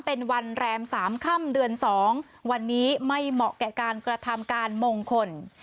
เป็นวันแรม๓ค่ำเดือน๒วันนี้ไม่เหมาะแก่การกระทำการมงคล